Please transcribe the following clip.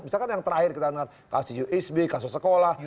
misalkan yang terakhir kita dengar kasus usb kasus sekolah